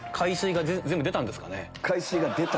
「海水が出た」！